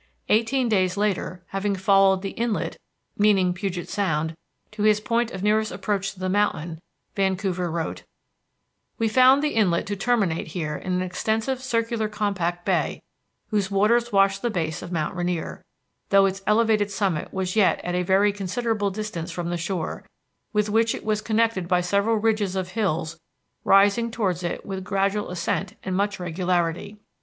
Eighteen days later, having followed "the inlet," meaning Puget Sound, to his point of nearest approach to the mountain, Vancouver wrote: "We found the inlet to terminate here in an extensive circular compact bay whose waters washed the base of mount Rainier, though its elevated summit was yet at a very considerable distance from the shore, with which it was connected by several ridges of hills rising towards it with gradual ascent and much regularity.